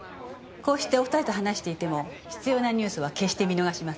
こうしてお２人と話していても必要なニュースは決して見逃しません。